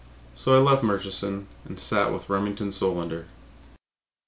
So I left Murchison and sat with Remington Solander.